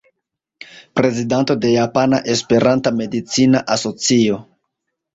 Prezidanto de Japana Esperanta Medicina Asocio.